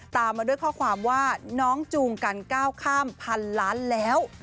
ตามมาด้วยข้อความว่าน้องจูงกันก้าวข้ามพันล้านแล้ว